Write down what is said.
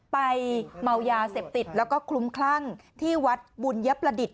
เมายาเสพติดแล้วก็คลุ้มคลั่งที่วัดบุญยประดิษฐ